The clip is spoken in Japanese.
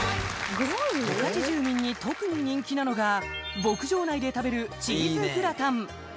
十勝住民に特に人気なのが牧場内で食べるチーズグラタン